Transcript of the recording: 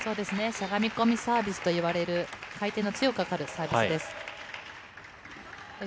しゃがみ込みサービスといわれる、回転の強くかかるサービスです。